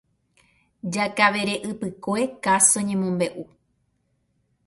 Jakavere ypykue káso ñemombeʼu.